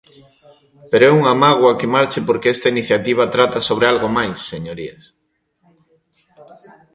Pero é unha mágoa que marche porque esta iniciativa trata sobre algo máis, señorías.